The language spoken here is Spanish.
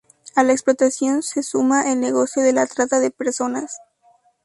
A la explotación se suma el negocio de la trata de personas.